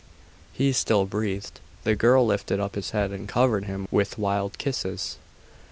He still breathed. The girl lifted up his head and covered him with wild kisses.